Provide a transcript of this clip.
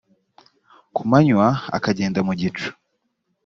ku manywa akagenda mu gicu.